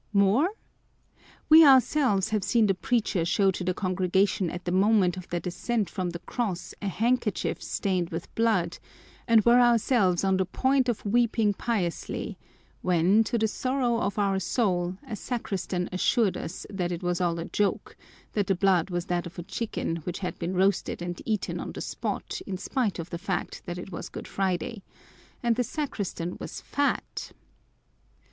More? We ourselves have seen the preacher show to the congregation at the moment of the descent from the cross a handkerchief stained with blood, and were ourselves on the point of weeping piously, when, to the sorrow of our soul, a sacristan assured us that it was all a joke, that the blood was that of a chicken which had been roasted and eaten on the spot in spite of the fact that it was Good Friday and the sacristan was fat!